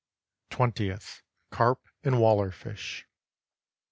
Twentieth Carp and waller fish.